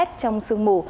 trong sương mù